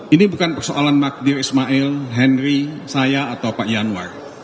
ini bukan persoalan magdir ismail henry saya atau pak yanwar